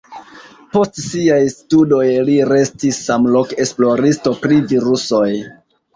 Post siaj studoj li restis samloke esploristo pri virusoj.